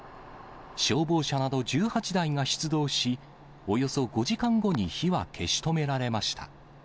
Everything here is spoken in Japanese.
消防車など１８台が出動し、およそ５時間後に火は消し止められました。